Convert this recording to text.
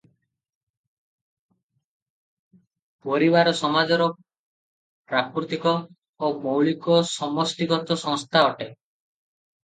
ପରିବାର ସମାଜର ପ୍ରାକୃତିକ ଓ ମୌଳିକ ସମଷ୍ଟିଗତ ସଂସ୍ଥା ଅଟେ ।